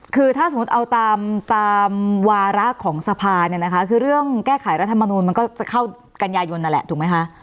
คือถ้าสมมติเอาตามวาระของทรภาคือเรื่องแก้ไขรัฐธรรมนุนก็จะเข้ากัญญายนท์นั่นแหละ